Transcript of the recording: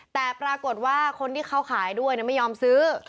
แต่ปรากฏว่าคนที่เขาขายด้วยไม่ยอมซื้อ